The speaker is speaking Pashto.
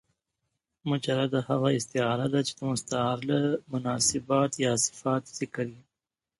مجرده هغه استعاره ده، چي د مستعارله مناسبات یا صفات ذکر يي.